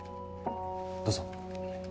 どうぞ。